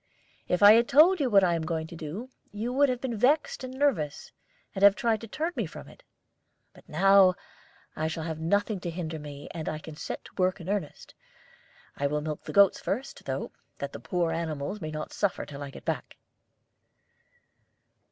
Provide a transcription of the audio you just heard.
If I had told you what I am going to do, you would have been vexed and nervous, and have tried to turn me from it. But now I shall have nothing to hinder me, and I can set to work in earnest. I will milk the goats first, though, that the poor animals may not suffer till I get back."